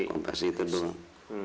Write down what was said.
konveksi itu doang